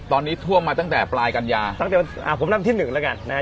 ตอนนี้ท่วมมาตั้งแต่ปลายกันยาตั้งแต่อ่าผมนำที่หนึ่งแล้วกันนะฮะ